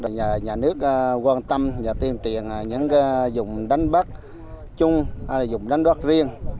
nhà nước quan tâm và tiêm triển những dùng đánh bắt chung hay dùng đánh bắt riêng